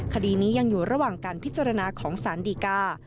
คดีนี้ยังอยู่ระหว่างการพิจารณาของสารดีกา